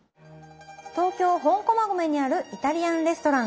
東京・本駒込にあるイタリアンレストラン。